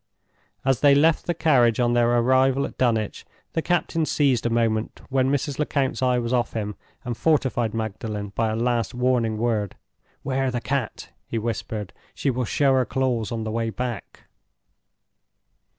As they left the carriage on their arrival at Dunwich, the captain seized a moment when Mrs. Lecount's eye was off him and fortified Magdalen by a last warning word. "'Ware the cat!" he whispered. "She will show her claws on the way back."